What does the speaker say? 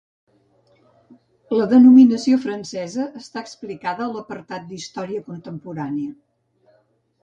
La denominació francesa està explicada a l'apartat d'Història contemporània.